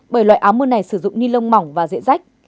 bởi loại áo mưa này sử dụng ni lông mỏng và dễ rách